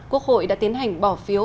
quốc hội đã tiến hành bỏ phiếu